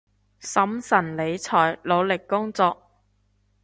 審慎理財，努力工作